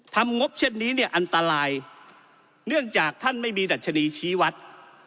งบเช่นนี้เนี่ยอันตรายเนื่องจากท่านไม่มีดัชนีชี้วัด